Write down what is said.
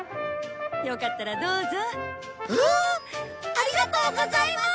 ありがとうございます！